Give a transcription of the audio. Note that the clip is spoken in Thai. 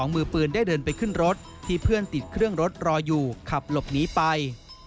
มือปืนได้เดินไปขึ้นรถที่เพื่อนติดเครื่องรถรออยู่ขับหลบหนีไป